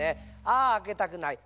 あああけたくない。